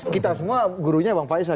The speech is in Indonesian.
kita semua gurunya bang faisal